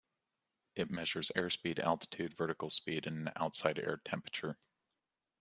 It measures airspeed, altitude, vertical speed, and outside air temperature.